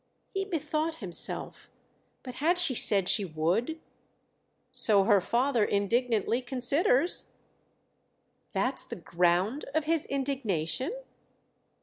He bethought himself. "But had she said she would?" "So her father indignantly considers." "That's the ground of his indignation?"